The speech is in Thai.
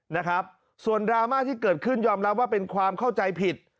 นะครับส่วนดราม่าที่เกิดขึ้นยอมรับว่าเป็นความเข้าใจผิด